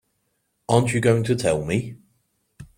Aren't you going to tell me?